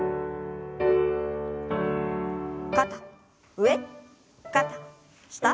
肩上肩下。